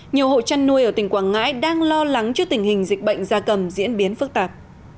nhiều hộ chăn nuôi ở tỉnh quảng ngãi đang lo lắng trước tình hình dịch bệnh gia cầm diễn biến phức tạp